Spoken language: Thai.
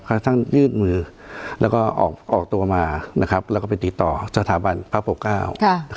กระทั่งยืดมือแล้วก็ออกตัวมานะครับแล้วก็ไปติดต่อสถาบันพระปกเก้า